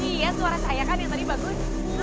iya suara saya kan yang tadi bagus